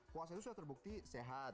puasa itu sudah terbukti sehat